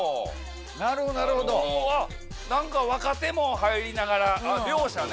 ・なるほどなるほど・何か若手も入りながら両者ね。